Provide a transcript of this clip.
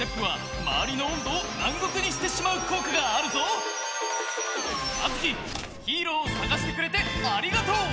必殺技ははづきヒーローをさがしてくれてありがとう！